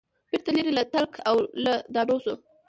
بیرته لیري له تلک او له دانې سو